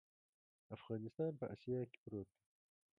افغانستان په اسیا کې پروت دی.